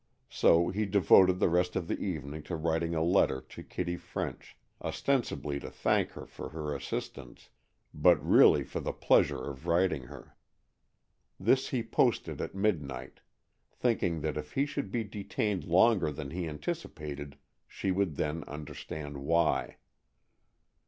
So he devoted the rest of the evening to writing a letter to Kitty French, ostensibly to thank her for her assistance, but really for the pleasure of writing her. This he posted at midnight, thinking that if he should be detained longer than he anticipated, she would then understand why.